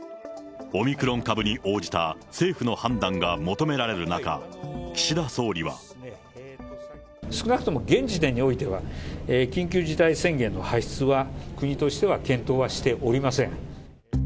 オミクロン株に応じた政府の判断が求められる中、岸田総理は。少なくとも現時点においては、緊急事態宣言の発出は、国としては検討はしておりません。